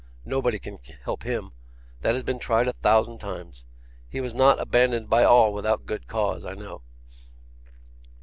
Nobody can help him; that has been tried a thousand times; he was not abandoned by all without good cause, I know.